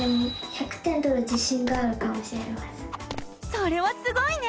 それはすごいね！